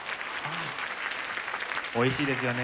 おいしいですよね。